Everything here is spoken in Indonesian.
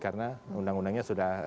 karena undang undangnya sudah